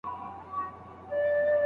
او یا د دوه مخۍ لپاره خپل دریځ بدل کړو